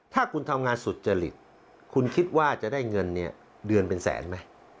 ถ้าคุณทำงานสุจริตคุณคิดว่าจะได้เงินเนี่ยเดือนเป็นแสนไหม